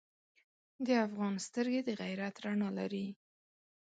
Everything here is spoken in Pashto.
د افغان سترګې د غیرت رڼا لري.